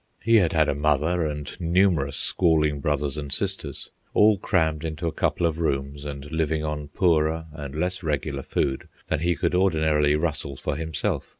He had had a mother and numerous squalling brothers and sisters, all crammed into a couple of rooms and living on poorer and less regular food than he could ordinarily rustle for himself.